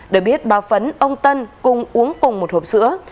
để biết bà phấn ông tân cùng uống cùng một hộp sữa